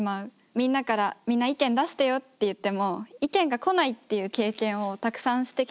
みんなからみんな意見出してよって言っても意見が来ないっていう経験をたくさんしてきた。